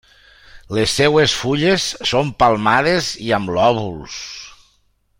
Les seves fulles són palmades i amb lòbuls.